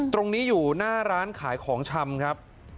ตรงนี้อยู่หน้าร้านขายของชำครับ